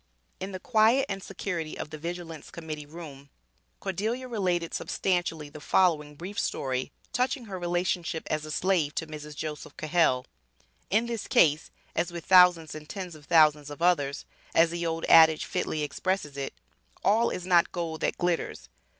In the quiet and security of the Vigilance Committee Room, Cordelia related substantially the following brief story touching her relationship as a slave to Mrs. Joseph Cahell. In this case, as with thousands and tens of thousands of others, as the old adage fitly expresses it, "All is not gold that glitters."